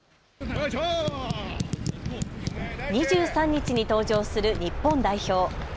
２３日に登場する日本代表。